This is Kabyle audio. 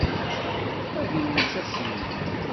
Ad immečč ass-nni.